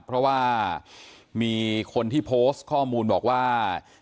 เพราะว่ามีคนที่โพสต์ข้อมูลบอกว่า